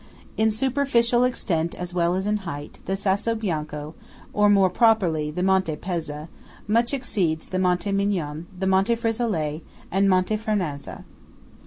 In superficial extent as well as in height, the Sasso Bianco (or, more properly, the Monte Pezza) much exceeds the Monte Migion, the Monte Frisolet, and Monte Fernazza.